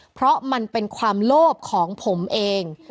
เพราะมันเป็นความโลภของผมเอง